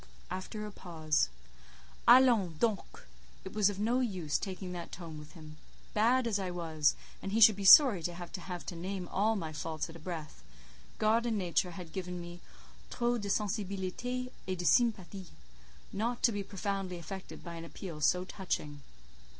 (After a pause:) "Allons donc! It was of no use taking that tone with him. Bad as I was—and he should be sorry to have to name all my faults at a breath—God and nature had given me 'trop de sensibilité et de sympathie' not to be profoundly affected by an appeal so touching."